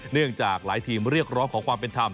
เนื่องจากหลายทีมเรียกร้องขอความเป็นธรรม